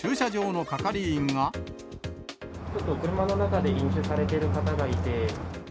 ちょっと車の中で飲酒されてる方がいて。